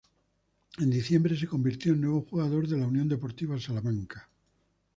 En diciembre se convirtió en nuevo jugador de la Unión Deportiva Salamanca.